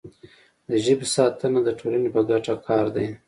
د ژبې ساتنه د ټولنې په ګټه کار دی.